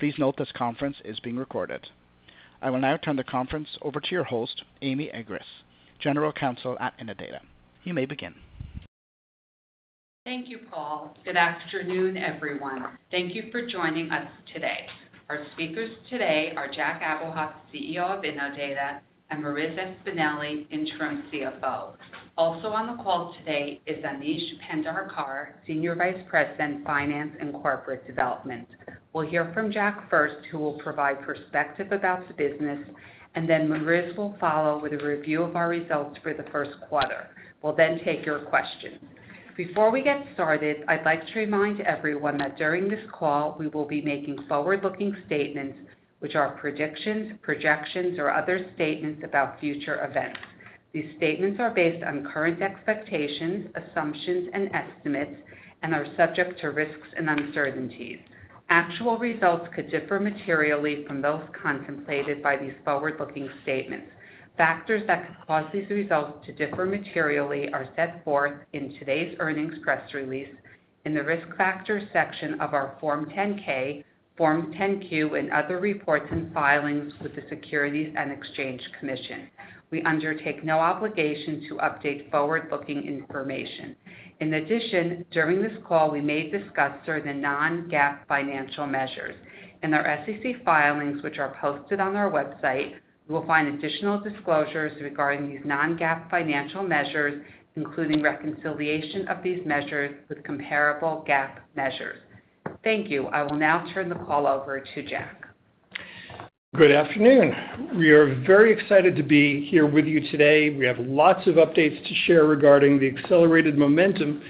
Please note this conference is being recorded. I will now turn the conference over to your host, Amy Agress, General Counsel at Innodata. You may begin. Thank you, Paul. Good afternoon, everyone. Thank you for joining us today. Our speakers today are Jack Abuhoff, CEO of Innodata, and Marissa Espineli, interim CFO. Also on the call today is Aneesh Pendharkar, Senior Vice President Finance and Corporate Development. We'll hear from Jack first, who will provide perspective about the business, and then Marissa will follow with a review of our results for the first quarter. We'll then take your questions. Before we get started, I'd like to remind everyone that during this call we will be making forward-looking statements, which are predictions, projections, or other statements about future events. These statements are based on current expectations, assumptions, and estimates, and are subject to risks and uncertainties. Actual results could differ materially from those contemplated by these forward-looking statements. Factors that could cause these results to differ materially are set forth in today's earnings press release, in the risk factors section of our Form 10-K, Form 10-Q, and other reports and filings with the Securities and Exchange Commission. We undertake no obligation to update forward-looking information. In addition, during this call we may discuss certain non-GAAP financial measures. In our SEC filings, which are posted on our website, you will find additional disclosures regarding these non-GAAP financial measures, including reconciliation of these measures with comparable GAAP measures. Thank you. I will now turn the call over to Jack. Good afternoon. We are very excited to be here with you today. We have lots of updates to share regarding the accelerated momentum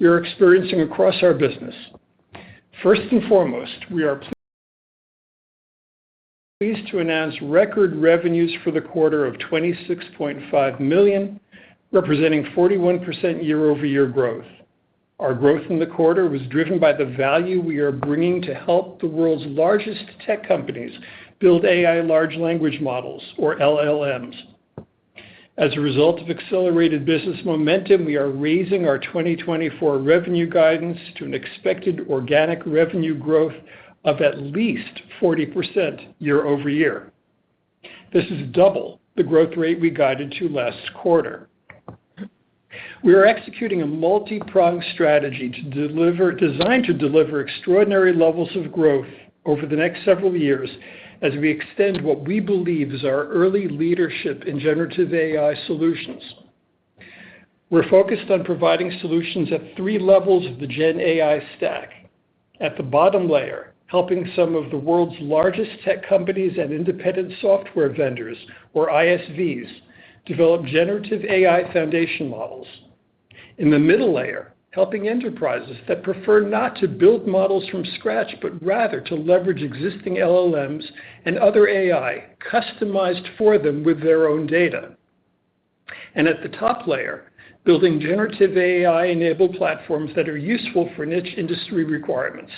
we are experiencing across our business. First and foremost, we are pleased to announce record revenues for the quarter of $26.5 million, representing 41% year-over-year growth. Our growth in the quarter was driven by the value we are bringing to help the world's largest tech companies build AI large language models, or LLMs. As a result of accelerated business momentum, we are raising our 2024 revenue guidance to an expected organic revenue growth of at least 40% year-over-year. This is double the growth rate we guided to last quarter. We are executing a multi-pronged strategy designed to deliver extraordinary levels of growth over the next several years as we extend what we believe is our early leadership in generative AI solutions. We're focused on providing solutions at three levels of the Gen AI stack. At the bottom layer, helping some of the world's largest tech companies and independent software vendors, or ISVs, develop generative AI foundation models. In the middle layer, helping enterprises that prefer not to build models from scratch but rather to leverage existing LLMs and other AI customized for them with their own data. And at the top layer, building generative AI-enabled platforms that are useful for niche industry requirements.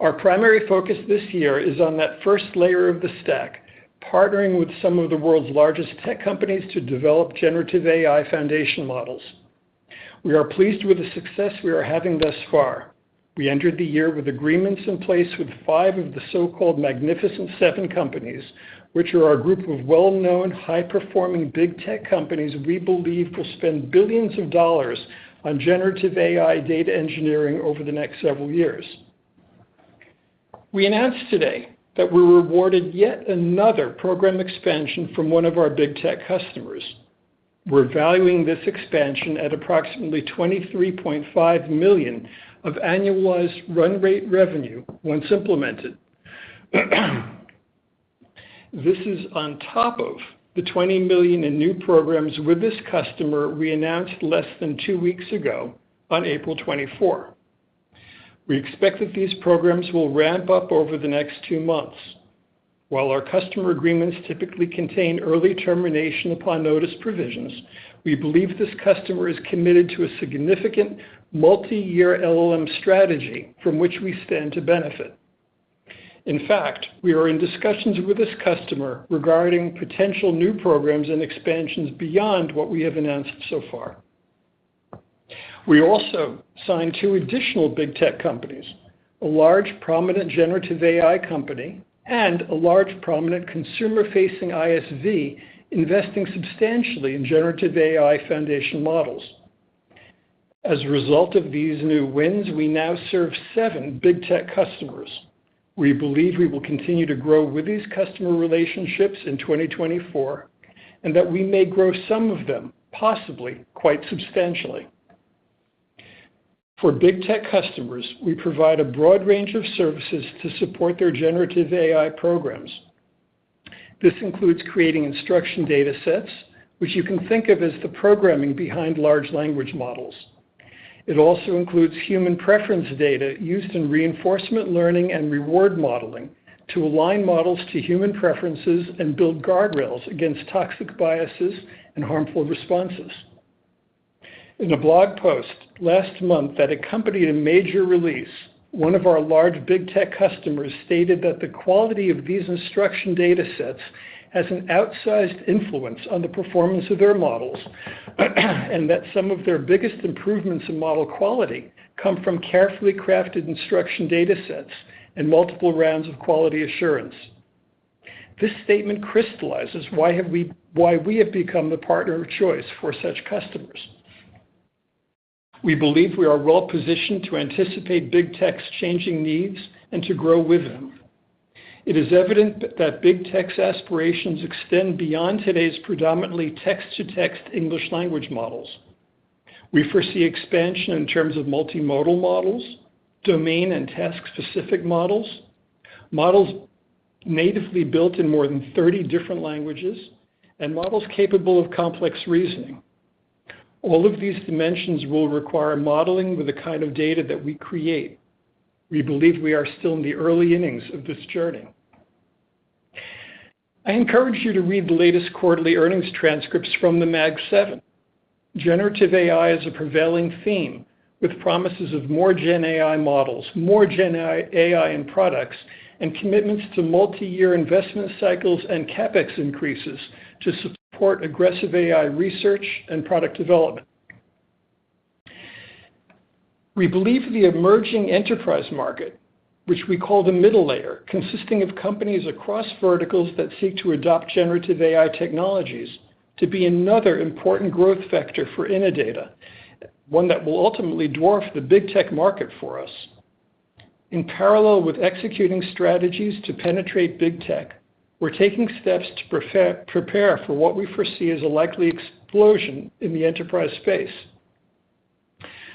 Our primary focus this year is on that first layer of the stack, partnering with some of the world's largest tech companies to develop generative AI foundation models. We are pleased with the success we are having thus far. We entered the year with agreements in place with five of the so-called Magnificent Seven companies, which are our group of well-known, high-performing big tech companies we believe will spend billions of dollars on generative AI data engineering over the next several years. We announced today that we're rewarded yet another program expansion from one of our big tech customers. We're valuing this expansion at approximately $23.5 million of annualized run rate revenue once implemented. This is on top of the $20 million in new programs with this customer we announced less than two weeks ago, on April 24. We expect that these programs will ramp up over the next two months. While our customer agreements typically contain early termination upon notice provisions, we believe this customer is committed to a significant multi-year LLM strategy from which we stand to benefit. In fact, we are in discussions with this customer regarding potential new programs and expansions beyond what we have announced so far. We also signed two additional big tech companies, a large prominent generative AI company and a large prominent consumer-facing ISV, investing substantially in generative AI foundation models. As a result of these new wins, we now serve seven big tech customers. We believe we will continue to grow with these customer relationships in 2024, and that we may grow some of them, possibly quite substantially. For big tech customers, we provide a broad range of services to support their generative AI programs. This includes creating instruction data sets, which you can think of as the programming behind large language models. It also includes human preference data used in reinforcement learning and reward modeling to align models to human preferences and build guardrails against toxic biases and harmful responses. In a blog post last month that accompanied a major release, one of our large big tech customers stated that the quality of these instruction data sets has an outsized influence on the performance of their models, and that some of their biggest improvements in model quality come from carefully crafted instruction data sets and multiple rounds of quality assurance. This statement crystallizes why we have become the partner of choice for such customers. We believe we are well positioned to anticipate big tech's changing needs and to grow with them. It is evident that big tech's aspirations extend beyond today's predominantly text-to-text English language models. We foresee expansion in terms of multimodal models, domain and task-specific models, models natively built in more than 30 different languages, and models capable of complex reasoning. All of these dimensions will require modeling with the kind of data that we create. We believe we are still in the early innings of this journey. I encourage you to read the latest quarterly earnings transcripts from the Mag 7. Generative AI is a prevailing theme with promises of more Gen AI models, more Gen AI in products, and commitments to multi-year investment cycles and CapEx increases to support aggressive AI research and product development. We believe the emerging enterprise market, which we call the middle layer consisting of companies across verticals that seek to adopt generative AI technologies, to be another important growth factor for Innodata, one that will ultimately dwarf the big tech market for us. In parallel with executing strategies to penetrate big tech, we're taking steps to prepare for what we foresee as a likely explosion in the enterprise space.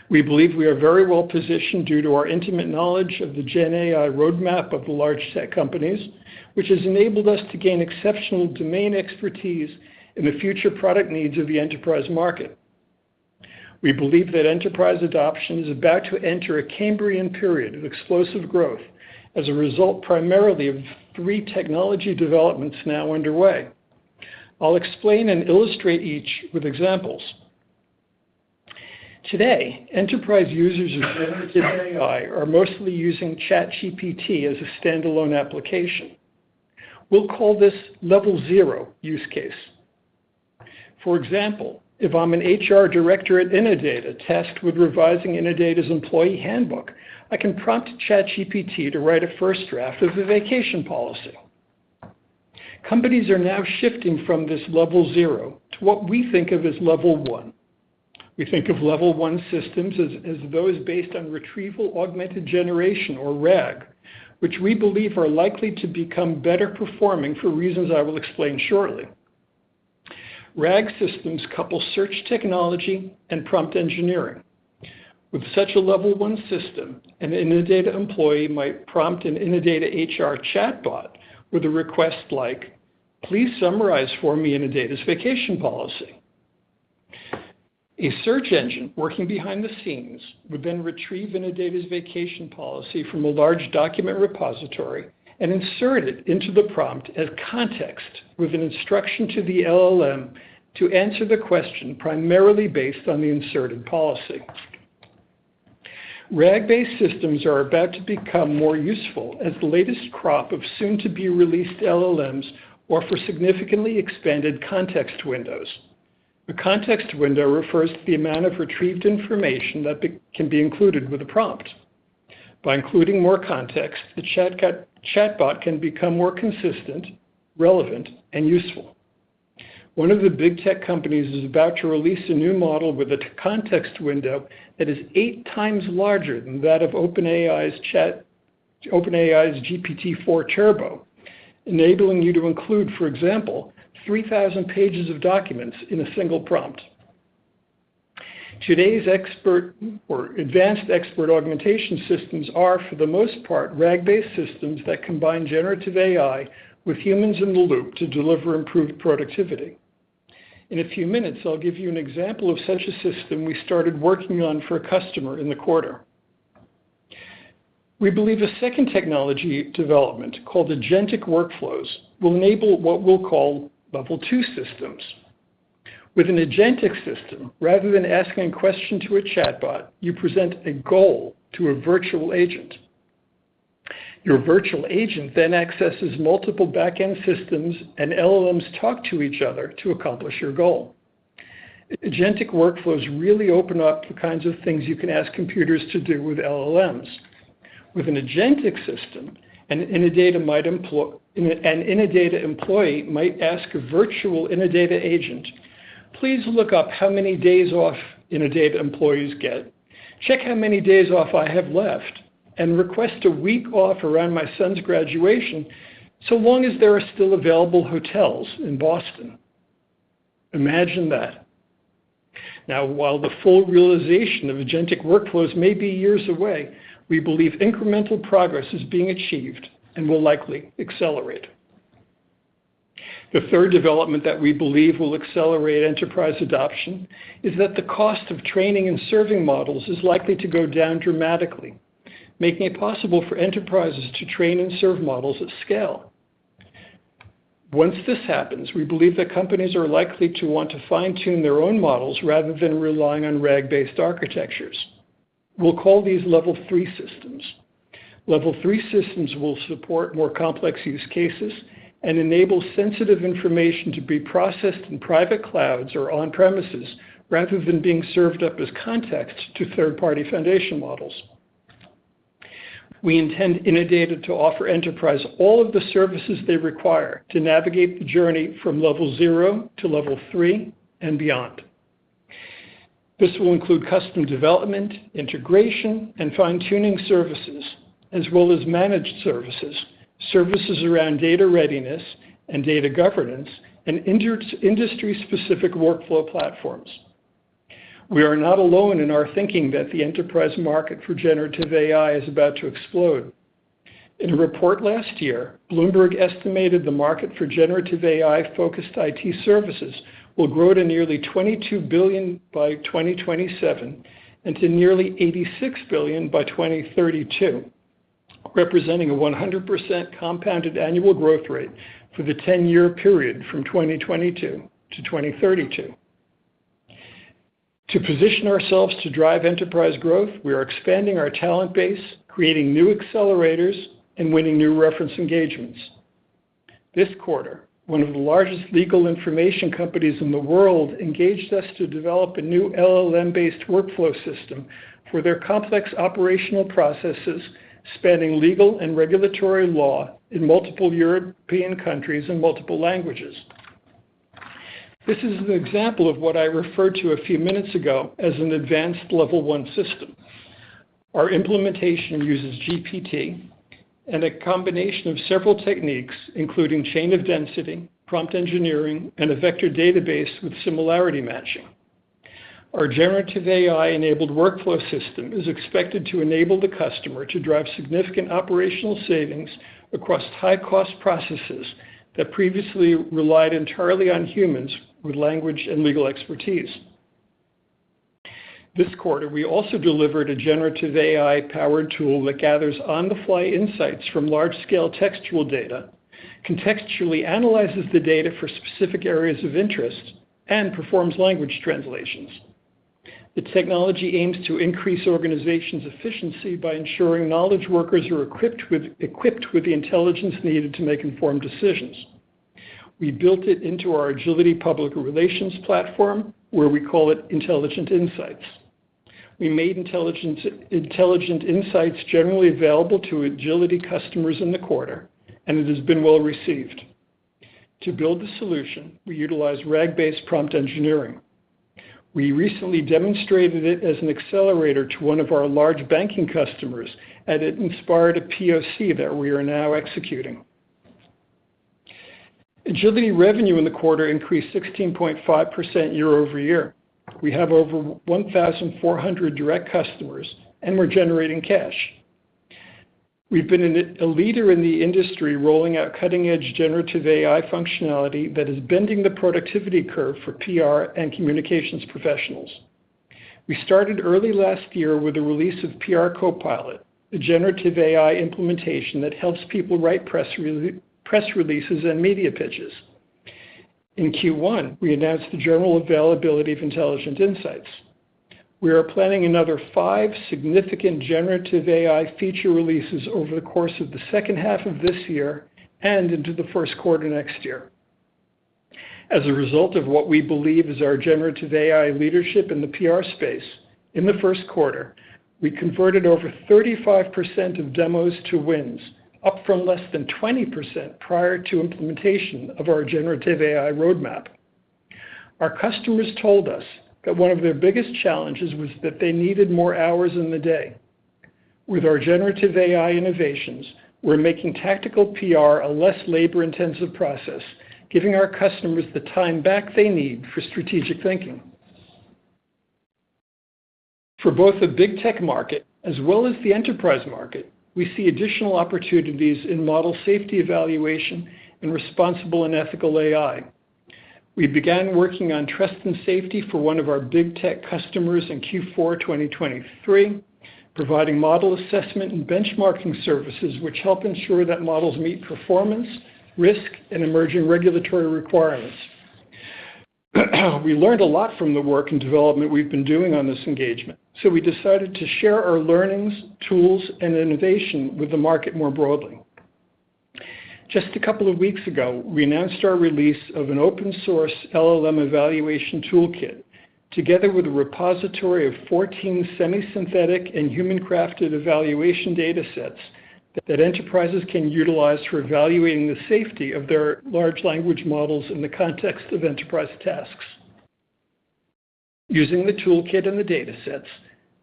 We believe we are very well positioned due to our intimate knowledge of the Gen AI roadmap of the large tech companies, which has enabled us to gain exceptional domain expertise in the future product needs of the enterprise market. We believe that enterprise adoption is about to enter a Cambrian period of explosive growth as a result primarily of three technology developments now underway. I'll explain and illustrate each with examples. Today, enterprise users of generative AI are mostly using ChatGPT as a standalone application. We'll call this Level Zero use case. For example, if I'm an HR director at Innodata tasked with revising Innodata's employee handbook, I can prompt ChatGPT to write a first draft of a vacation policy. Companies are now shifting from this Level Zero to what we think of as Level One. We think of Level One systems as those based on retrieval augmented generation, or RAG, which we believe are likely to become better performing for reasons I will explain shortly. RAG systems couple search technology and prompt engineering. With such a Level One system, an Innodata employee might prompt an Innodata HR chatbot with a request like, "Please summarize for me Innodata's vacation policy." A search engine working behind the scenes would then retrieve Innodata's vacation policy from a large document repository and insert it into the prompt as context with an instruction to the LLM to answer the question primarily based on the inserted policy. RAG-based systems are about to become more useful as the latest crop of soon-to-be-released LLMs or for significantly expanded context windows. A context window refers to the amount of retrieved information that can be included with a prompt. By including more context, the chatbot can become more consistent, relevant, and useful. One of the big tech companies is about to release a new model with a context window that is 8 times larger than that of OpenAI's GPT-4 Turbo, enabling you to include, for example, 3,000 pages of documents in a single prompt. Today's expert or advanced expert augmentation systems are, for the most part, RAG-based systems that combine generative AI with humans in the loop to deliver improved productivity. In a few minutes, I'll give you an example of such a system we started working on for a customer in the quarter. We believe a second technology development called Agentic Workflows will enable what we'll call Level Two systems. With an Agentic system, rather than asking a question to a chatbot, you present a goal to a virtual agent. Your virtual agent then accesses multiple backend systems, and LLMs talk to each other to accomplish your goal. Agentic workflows really open up the kinds of things you can ask computers to do with LLMs. With an Agentic system, an Innodata employee might ask a virtual Innodata agent, "Please look up how many days off Innodata employees get, check how many days off I have left, and request a week off around my son's graduation so long as there are still available hotels in Boston." Imagine that. Now, while the full realization of Agentic workflows may be years away, we believe incremental progress is being achieved and will likely accelerate. The third development that we believe will accelerate enterprise adoption is that the cost of training and serving models is likely to go down dramatically, making it possible for enterprises to train and serve models at scale. Once this happens, we believe that companies are likely to want to fine-tune their own models rather than relying on RAG-based architectures. We'll call these Level Three systems. Level Three systems will support more complex use cases and enable sensitive information to be processed in private clouds or on-premises rather than being served up as context to third-party foundation models. We intend Innodata to offer enterprises all of the services they require to navigate the journey from Level Zero to Level Three and beyond. This will include custom development, integration, and fine-tuning services, as well as managed services, services around data readiness and data governance, and industry-specific workflow platforms. We are not alone in our thinking that the enterprise market for generative AI is about to explode. In a report last year, Bloomberg estimated the market for generative AI-focused IT services will grow to nearly $22 billion by 2027 and to nearly $86 billion by 2032, representing a 100% compounded annual growth rate for the 10-year period from 2022 to 2032. To position ourselves to drive enterprise growth, we are expanding our talent base, creating new accelerators, and winning new reference engagements. This quarter, one of the largest legal information companies in the world engaged us to develop a new LLM-based workflow system for their complex operational processes, spanning legal and regulatory law in multiple European countries and multiple languages. This is an example of what I referred to a few minutes ago as an advanced Level One system. Our implementation uses GPT and a combination of several techniques, including Chain of Density, prompt engineering, and a vector database with similarity matching. Our generative AI-enabled workflow system is expected to enable the customer to drive significant operational savings across high-cost processes that previously relied entirely on humans with language and legal expertise. This quarter, we also delivered a generative AI-powered tool that gathers on-the-fly insights from large-scale textual data, contextually analyzes the data for specific areas of interest, and performs language translations. The technology aims to increase organizations' efficiency by ensuring knowledge workers are equipped with the intelligence needed to make informed decisions. We built it into our Agility PR Solutions platform, where we call it Intelligent Insights. We made Intelligent Insights generally available to Agility customers in the quarter, and it has been well received. To build the solution, we utilize RAG-based prompt engineering. We recently demonstrated it as an accelerator to one of our large banking customers, and it inspired a POC that we are now executing. Agility revenue in the quarter increased 16.5% year-over-year. We have over 1,400 direct customers, and we're generating cash. We've been a leader in the industry rolling out cutting-edge generative AI functionality that is bending the productivity curve for PR and communications professionals. We started early last year with the release of PR Copilot, a generative AI implementation that helps people write press releases and media pitches. In Q1, we announced the general availability of Intelligent Insights. We are planning another five significant generative AI feature releases over the course of the second half of this year and into the first quarter next year. As a result of what we believe is our generative AI leadership in the PR space, in the first quarter, we converted over 35% of demos to wins, up from less than 20% prior to implementation of our generative AI roadmap. Our customers told us that one of their biggest challenges was that they needed more hours in the day. With our generative AI innovations, we're making tactical PR a less labor-intensive process, giving our customers the time back they need for strategic thinking. For both the big tech market as well as the enterprise market, we see additional opportunities in model safety evaluation and responsible and ethical AI. We began working on trust and safety for one of our big tech customers in Q4 2023, providing model assessment and benchmarking services which help ensure that models meet performance, risk, and emerging regulatory requirements. We learned a lot from the work and development we've been doing on this engagement, so we decided to share our learnings, tools, and innovation with the market more broadly. Just a couple of weeks ago, we announced our release of an open-source LLM evaluation toolkit together with a repository of 14 semi-synthetic and human-crafted evaluation data sets that enterprises can utilize for evaluating the safety of their large language models in the context of enterprise tasks. Using the toolkit and the data sets,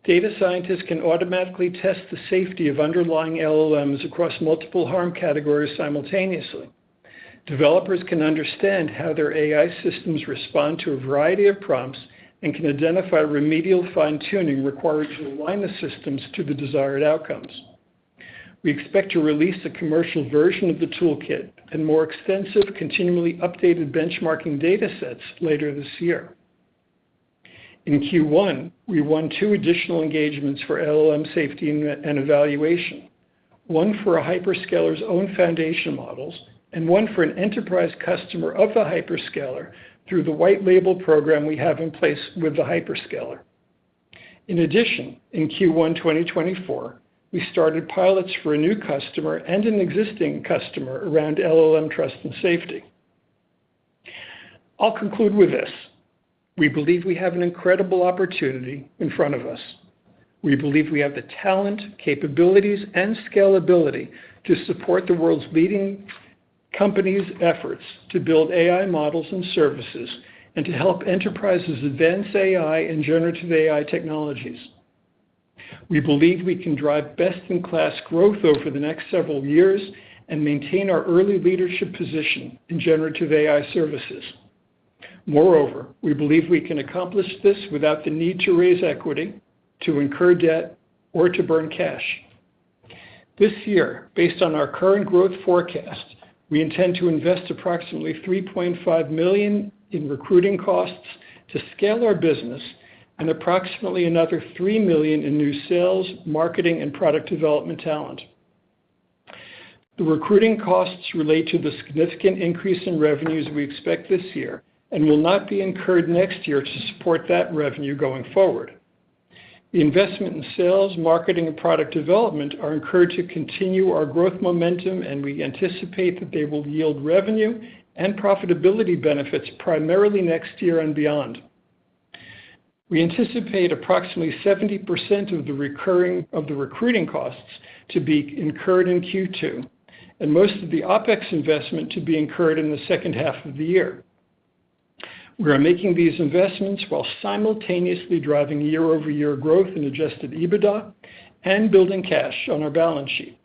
data scientists can automatically test the safety of underlying LLMs across multiple harm categories simultaneously. Developers can understand how their AI systems respond to a variety of prompts and can identify remedial fine-tuning required to align the systems to the desired outcomes. We expect to release a commercial version of the toolkit and more extensive, continually updated benchmarking data sets later this year. In Q1, we won two additional engagements for LLM safety and evaluation, one for a hyperscaler's own foundation models, and one for an enterprise customer of the hyperscaler through the white-label program we have in place with the hyperscaler. In addition, in Q1 2024, we started pilots for a new customer and an existing customer around LLM trust and safety. I'll conclude with this: we believe we have an incredible opportunity in front of us. We believe we have the talent, capabilities, and scalability to support the world's leading companies' efforts to build AI models and services and to help enterprises advance AI and generative AI technologies. We believe we can drive best-in-class growth over the next several years and maintain our early leadership position in generative AI services. Moreover, we believe we can accomplish this without the need to raise equity, to incur debt, or to burn cash. This year, based on our current growth forecast, we intend to invest approximately $3.5 million in recruiting costs to scale our business and approximately another $3 million in new sales, marketing, and product development talent. The recruiting costs relate to the significant increase in revenues we expect this year and will not be incurred next year to support that revenue going forward. The investment in sales, marketing, and product development are encouraged to continue our growth momentum, and we anticipate that they will yield revenue and profitability benefits primarily next year and beyond. We anticipate approximately 70% of the recruiting costs to be incurred in Q2 and most of the OpEx investment to be incurred in the second half of the year. We are making these investments while simultaneously driving year-over-year growth in adjusted EBITDA and building cash on our balance sheet.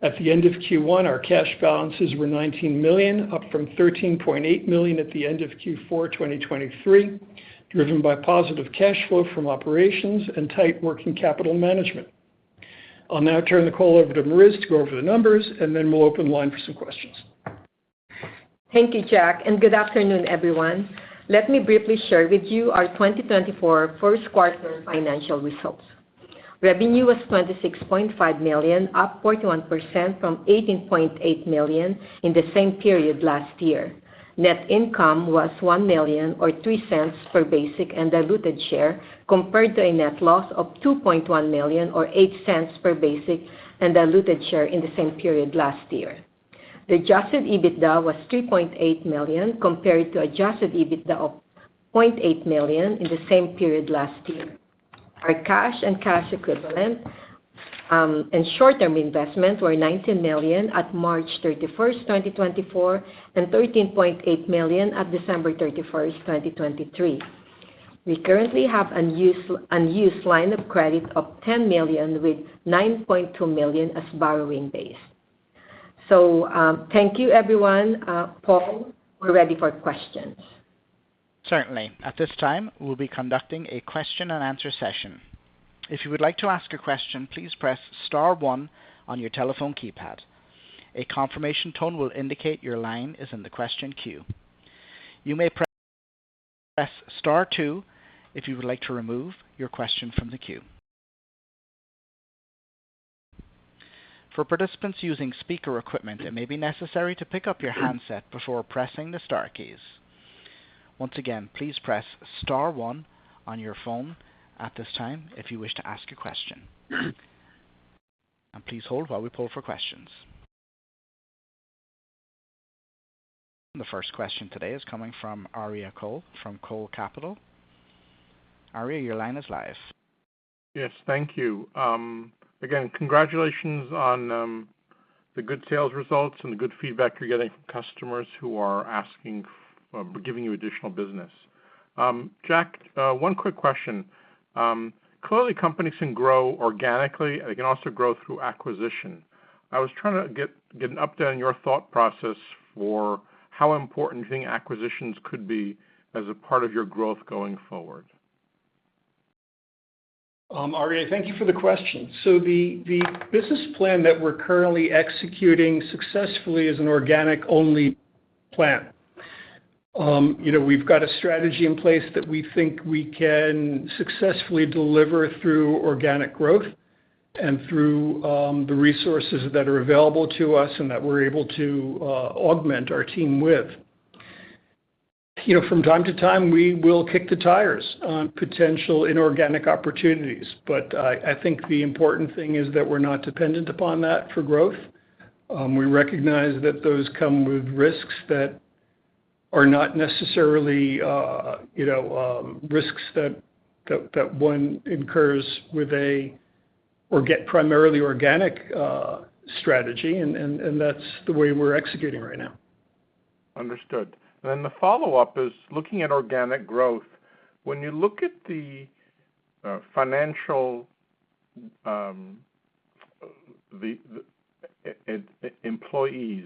At the end of Q1, our cash balances were $19 million, up from $13.8 million at the end of Q4 2023, driven by positive cash flow from operations and tight working capital management. I'll now turn the call over to Marissa to go over the numbers, and then we'll open the line for some questions. Thank you, Jack, and good afternoon, everyone. Let me briefly share with you our 2024 first quarter financial results. Revenue was $26.5 million, up 41% from $18.8 million in the same period last year. Net income was $1 million or $0.03 per basic and diluted share compared to a net loss of $2.1 million or $0.08 per basic and diluted share in the same period last year. The Adjusted EBITDA was $3.8 million compared to Adjusted EBITDA of $0.8 million in the same period last year. Our cash and cash equivalents and short-term investments were $19 million at March 31st, 2024, and $13.8 million at December 31st, 2023. We currently have an unused line of credit of $10 million with $9.2 million as borrowing base. So thank you, everyone. Paul, we're ready for questions. Certainly. At this time, we'll be conducting a question-and-answer session. If you would like to ask a question, please press star one on your telephone keypad. A confirmation tone will indicate your line is in the question queue. You may press star two if you would like to remove your question from the queue. For participants using speaker equipment, it may be necessary to pick up your handset before pressing the star keys. Once again, please press star one on your phone at this time if you wish to ask a question. Please hold while we pull for questions. The first question today is coming from Ayra Cole from Cole Capital. Aria, your line is live. Yes, thank you. Again, congratulations on the good sales results and the good feedback you're getting from customers who are asking or giving you additional business. Jack, one quick question. Clearly, companies can grow organically, and they can also grow through acquisition. I was trying to get an update on your thought process for how important you think acquisitions could be as a part of your growth going forward. Aria, thank you for the question. So the business plan that we're currently executing successfully is an organic-only plan. We've got a strategy in place that we think we can successfully deliver through organic growth and through the resources that are available to us and that we're able to augment our team with. From time to time, we will kick the tires on potential inorganic opportunities, but I think the important thing is that we're not dependent upon that for growth. We recognize that those come with risks that are not necessarily risks that one incurs with an organic strategy, and that's the way we're executing right now. Understood. Then the follow-up is looking at organic growth. When you look at the full-time employees,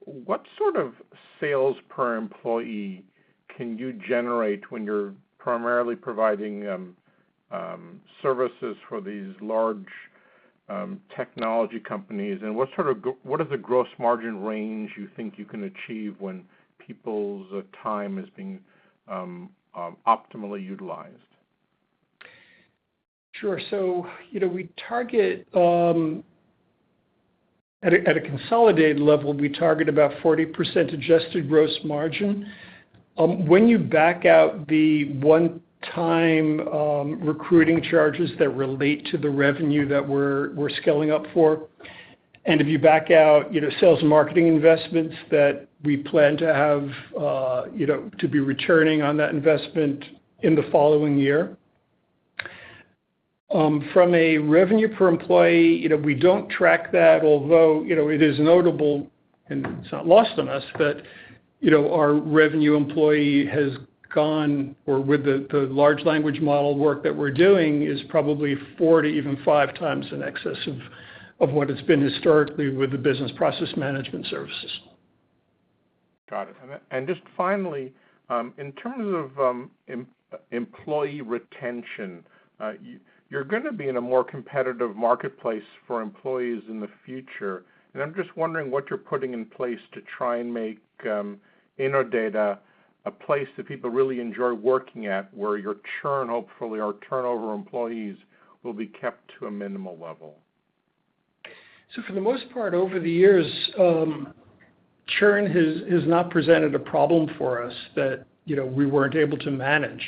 what sort of sales per employee can you generate when you're primarily providing services for these large technology companies? And what is the gross margin range you think you can achieve when people's time is being optimally utilized? Sure. So at a consolidated level, we target about 40% adjusted gross margin. When you back out the one-time recruiting charges that relate to the revenue that we're scaling up for, and if you back out sales and marketing investments that we plan to have to be returning on that investment in the following year, from a revenue per employee, we don't track that, although it is notable and it's not lost on us that our revenue per employee has gone or with the large language model work that we're doing is probably 4 to even 5 times in excess of what it's been historically with the business process management services. Got it. And just finally, in terms of employee retention, you're going to be in a more competitive marketplace for employees in the future. And I'm just wondering what you're putting in place to try and make Innodata a place that people really enjoy working at, where your churn, hopefully our turnover employees, will be kept to a minimal level. So for the most part, over the years, churn has not presented a problem for us that we weren't able to manage.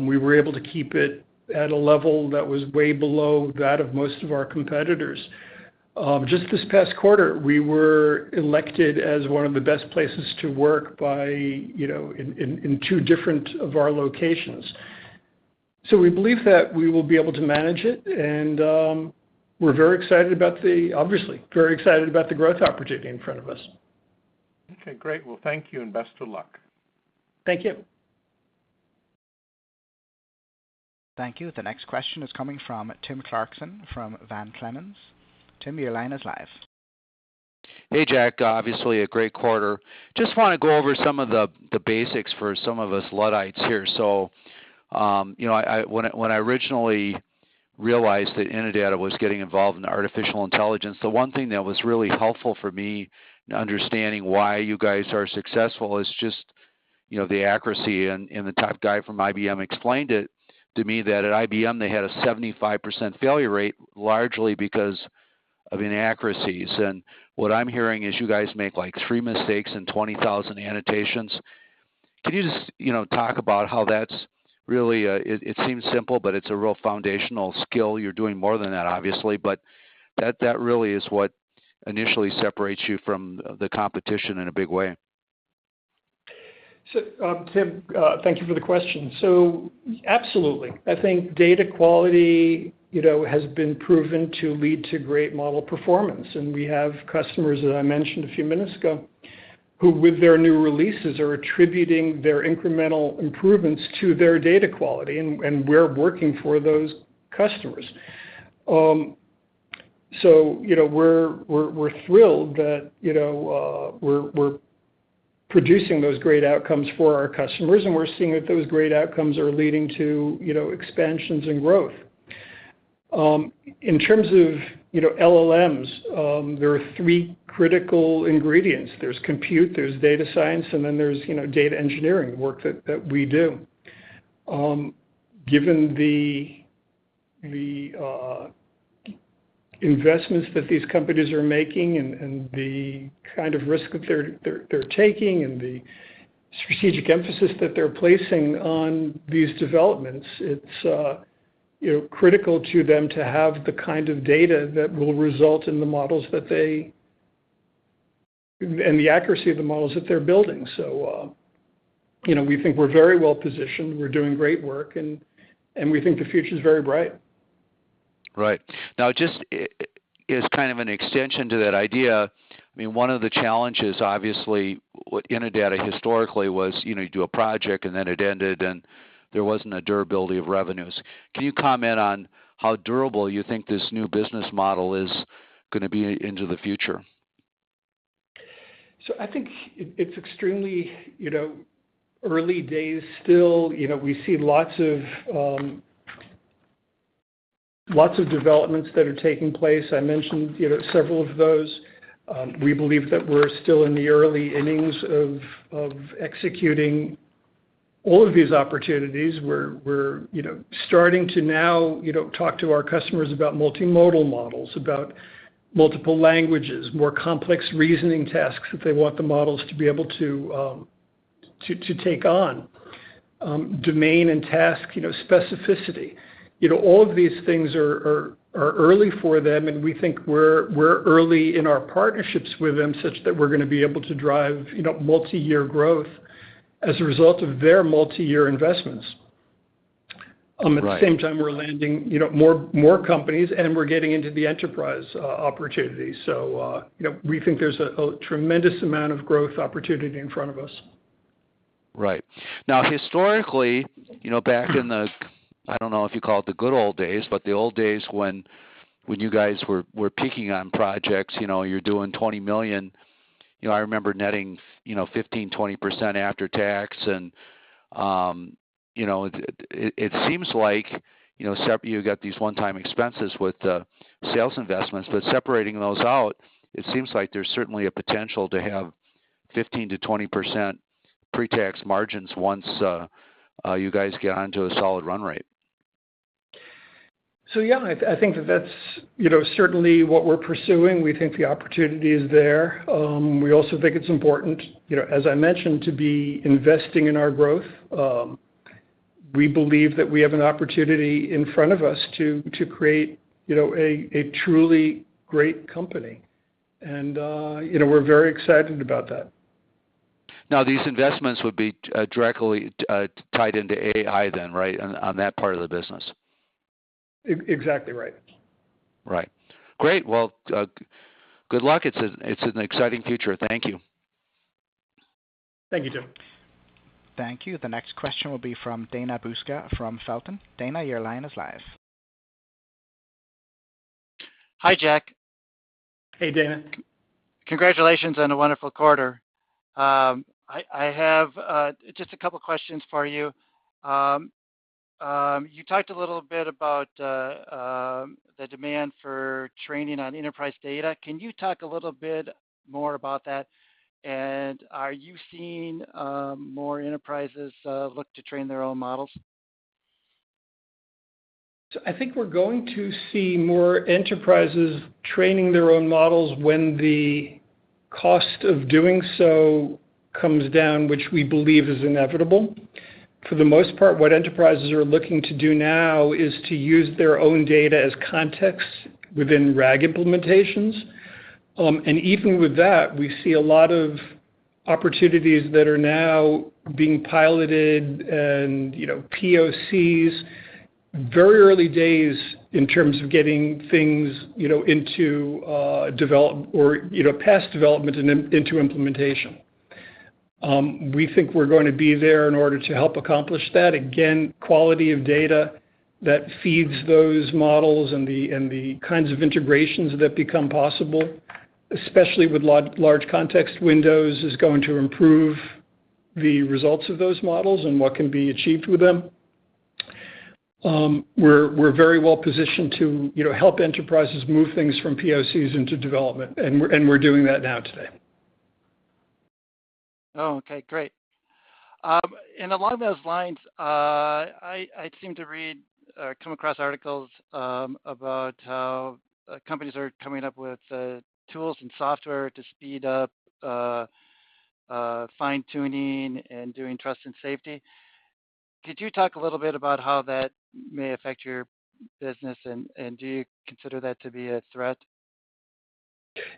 We were able to keep it at a level that was way below that of most of our competitors. Just this past quarter, we were elected as one of the best places to work in two different of our locations. So we believe that we will be able to manage it, and we're very excited about the obviously, very excited about the growth opportunity in front of us. Okay, great. Well, thank you and best of luck. Thank you. Thank you. The next question is coming from Tim Clarkson from Van Clemens. Tim, your line is live. Hey, Jack. Obviously, a great quarter. Just want to go over some of the basics for some of us Luddites here. So when I originally realized that Innodata was getting involved in artificial intelligence, the one thing that was really helpful for me in understanding why you guys are successful is just the accuracy. And the top guy from IBM explained it to me that at IBM, they had a 75% failure rate, largely because of inaccuracies. And what I'm hearing is you guys make like 3 mistakes in 20,000 annotations. Can you just talk about how that's really, it seems simple, but it's a real foundational skill. You're doing more than that, obviously, but that really is what initially separates you from the competition in a big way. Tim, thank you for the question. So absolutely. I think data quality has been proven to lead to great model performance. We have customers that I mentioned a few minutes ago who, with their new releases, are attributing their incremental improvements to their data quality, and we're working for those customers. We're thrilled that we're producing those great outcomes for our customers, and we're seeing that those great outcomes are leading to expansions and growth. In terms of LLMs, there are three critical ingredients. There's compute, there's data science, and then there's data engineering work that we do. Given the investments that these companies are making and the kind of risk that they're taking and the strategic emphasis that they're placing on these developments, it's critical to them to have the kind of data that will result in the models that they and the accuracy of the models that they're building. So we think we're very well positioned. We're doing great work, and we think the future is very bright. Right. Now, just as kind of an extension to that idea, I mean, one of the challenges, obviously, with Innodata historically was you do a project, and then it ended, and there wasn't a durability of revenues. Can you comment on how durable you think this new business model is going to be into the future? So I think it's extremely early days still. We see lots of developments that are taking place. I mentioned several of those. We believe that we're still in the early innings of executing all of these opportunities. We're starting to now talk to our customers about multimodal models, about multiple languages, more complex reasoning tasks that they want the models to be able to take on, domain and task specificity. All of these things are early for them, and we think we're early in our partnerships with them such that we're going to be able to drive multi-year growth as a result of their multi-year investments. At the same time, we're landing more companies, and we're getting into the enterprise opportunities. So we think there's a tremendous amount of growth opportunity in front of us. Right. Now, historically, back in the, I don't know if you call it the good old days, but the old days when you guys were peaking on projects, you're doing $20 million. I remember netting 15%-20% after tax, and it seems like you've got these one-time expenses with sales investments, but separating those out, it seems like there's certainly a potential to have 15%-20% pre-tax margins once you guys get onto a solid run rate. So yeah, I think that that's certainly what we're pursuing. We think the opportunity is there. We also think it's important, as I mentioned, to be investing in our growth. We believe that we have an opportunity in front of us to create a truly great company, and we're very excited about that. Now, these investments would be directly tied into AI then, right, on that part of the business? Exactly right. Right. Great. Well, good luck. It's an exciting future. Thank you. Thank you, Tim. Thank you. The next question will be from Dana Buska from Feltl. Dana, your line is live. Hi, Jack. Hey, Dana. Congratulations on a wonderful quarter. I have just a couple of questions for you. You talked a little bit about the demand for training on enterprise data. Can you talk a little bit more about that? And are you seeing more enterprises look to train their own models? So I think we're going to see more enterprises training their own models when the cost of doing so comes down, which we believe is inevitable. For the most part, what enterprises are looking to do now is to use their own data as context within RAG implementations. And even with that, we see a lot of opportunities that are now being piloted and POCs, very early days in terms of getting things into post development and into implementation. We think we're going to be there in order to help accomplish that. Again, quality of data that feeds those models and the kinds of integrations that become possible, especially with large context windows, is going to improve the results of those models and what can be achieved with them. We're very well positioned to help enterprises move things from POCs into development, and we're doing that now today. Oh, okay, great. Along those lines, I seem to have come across articles about how companies are coming up with tools and software to speed up fine-tuning and doing trust and safety. Could you talk a little bit about how that may affect your business, and do you consider that to be a threat?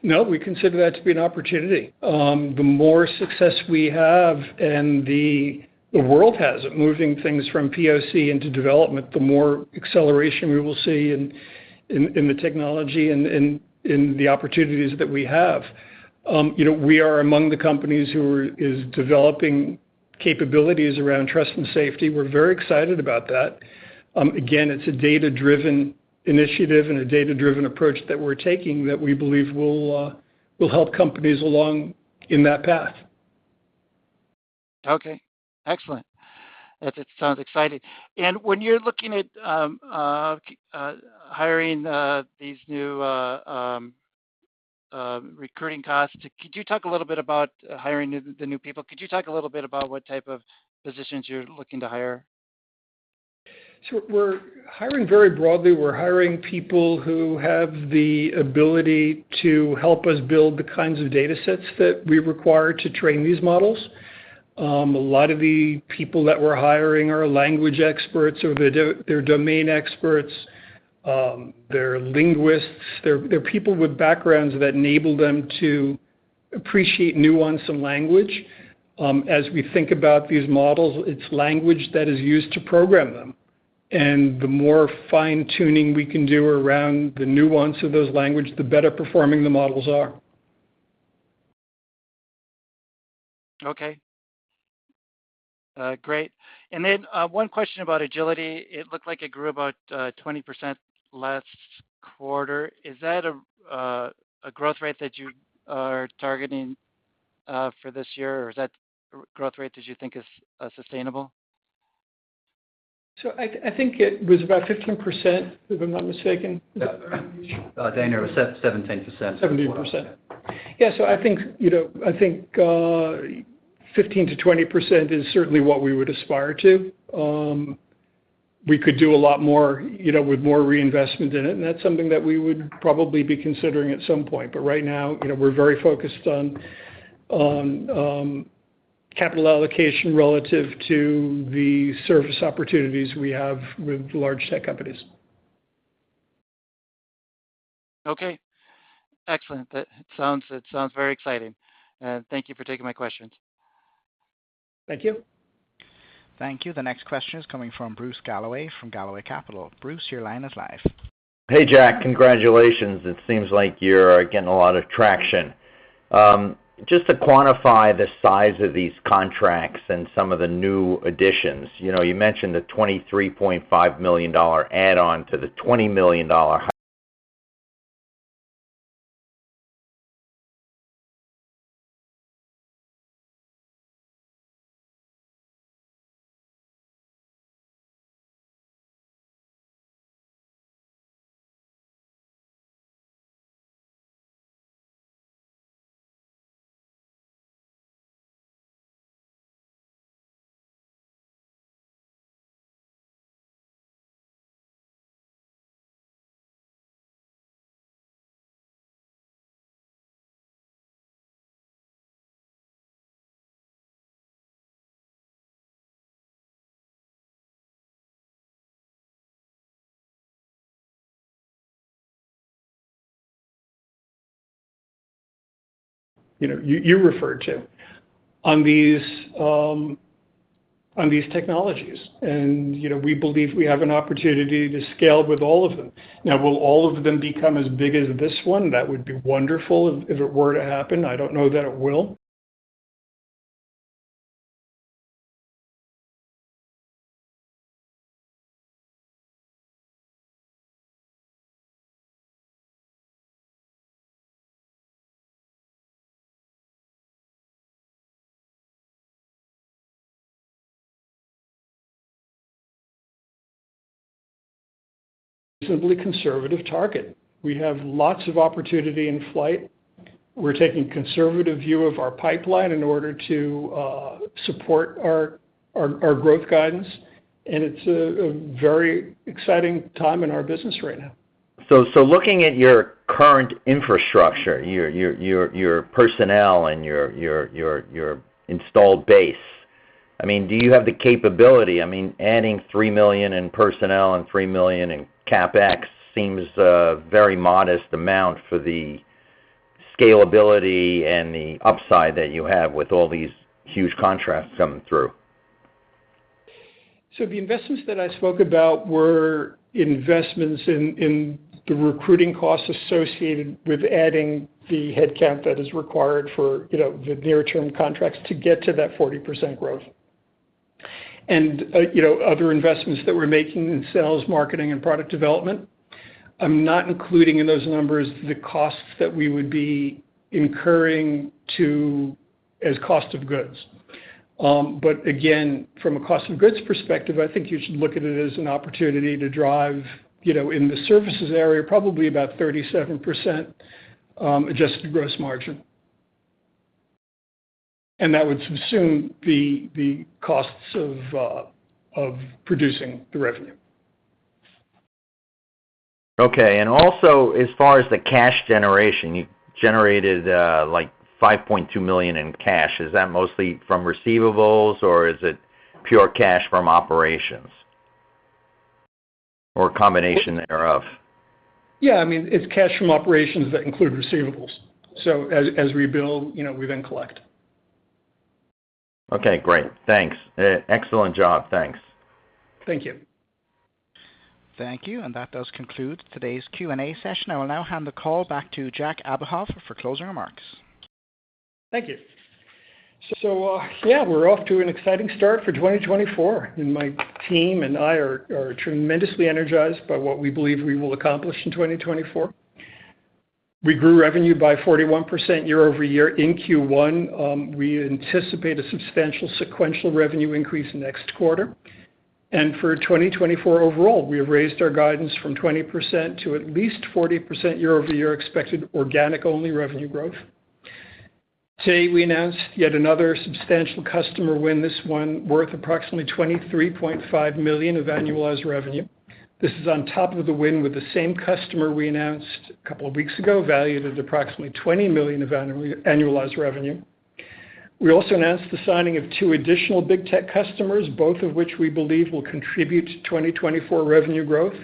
No, we consider that to be an opportunity. The more success we have and the world has at moving things from POC into development, the more acceleration we will see in the technology and in the opportunities that we have. We are among the companies who are developing capabilities around trust and safety. We're very excited about that. Again, it's a data-driven initiative and a data-driven approach that we're taking that we believe will help companies along in that path. Okay, excellent. It sounds exciting. When you're looking at hiring these new recruiting costs, could you talk a little bit about hiring the new people? Could you talk a little bit about what type of positions you're looking to hire? So we're hiring very broadly. We're hiring people who have the ability to help us build the kinds of data sets that we require to train these models. A lot of the people that we're hiring are language experts or they're domain experts. They're linguists. They're people with backgrounds that enable them to appreciate nuance and language. As we think about these models, it's language that is used to program them. And the more fine-tuning we can do around the nuance of those languages, the better performing the models are. Okay, great. And then one question about Agility. It looked like it grew about 20% last quarter. Is that a growth rate that you are targeting for this year, or is that a growth rate that you think is sustainable? I think it was about 15%, if I'm not mistaken. Dana, it was 17%. 17%. Yeah, so I think 15%-20% is certainly what we would aspire to. We could do a lot more with more reinvestment in it, and that's something that we would probably be considering at some point. But right now, we're very focused on capital allocation relative to the service opportunities we have with large tech companies. Okay, excellent. It sounds very exciting. Thank you for taking my questions. Thank you. Thank you. The next question is coming from Bruce Galloway from Galloway Capital. Bruce, your line is live. Hey, Jack. Congratulations. It seems like you're getting a lot of traction. Just to quantify the size of these contracts and some of the new additions, you mentioned the $23.5 million add-on to the $20 million. You referred to on these technologies. We believe we have an opportunity to scale with all of them. Now, will all of them become as big as this one? That would be wonderful if it were to happen. I don't know that it will. A relatively conservative target. We have lots of opportunity in flight. We're taking a conservative view of our pipeline in order to support our growth guidance. It's a very exciting time in our business right now. So looking at your current infrastructure, your personnel and your installed base, I mean, do you have the capability? I mean, adding $3 million in personnel and $3 million in CapEx seems a very modest amount for the scalability and the upside that you have with all these huge contracts coming through. So the investments that I spoke about were investments in the recruiting costs associated with adding the headcount that is required for the near-term contracts to get to that 40% growth and other investments that we're making in sales, marketing, and product development. I'm not including in those numbers the costs that we would be incurring as cost of goods. But again, from a cost of goods perspective, I think you should look at it as an opportunity to drive in the services area, probably about 37% adjusted gross margin. And that would subsume the costs of producing the revenue. Okay. Also, as far as the cash generation, you generated $5.2 million in cash. Is that mostly from receivables, or is it pure cash from operations or a combination thereof? Yeah, I mean, it's cash from operations that include receivables. So as we bill, we then collect. Okay, great. Thanks. Excellent job. Thanks. Thank you. Thank you. And that does conclude today's Q&A session. I will now hand the call back to Jack Abuhoff for closing remarks. Thank you. So yeah, we're off to an exciting start for 2024. My team and I are tremendously energized by what we believe we will accomplish in 2024. We grew revenue by 41% year-over-year in Q1. We anticipate a substantial sequential revenue increase next quarter. For 2024 overall, we have raised our guidance from 20% to at least 40% year-over-year expected organic-only revenue growth. Today, we announced yet another substantial customer win, this one worth approximately $23.5 million of annualized revenue. This is on top of the win with the same customer we announced a couple of weeks ago, valued at approximately $20 million of annualized revenue. We also announced the signing of two additional big tech customers, both of which we believe will contribute to 2024 revenue growth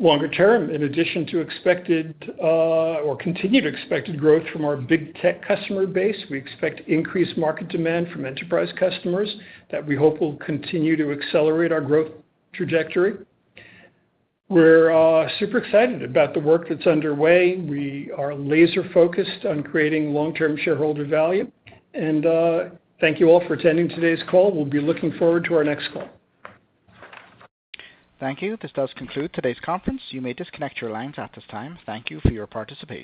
longer term. In addition to expected or continue to expected growth from our big tech customer base, we expect increased market demand from enterprise customers that we hope will continue to accelerate our growth trajectory. We're super excited about the work that's underway. We are laser-focused on creating long-term shareholder value. Thank you all for attending today's call. We'll be looking forward to our next call. Thank you. This does conclude today's conference. You may disconnect your lines at this time. Thank you for your participation.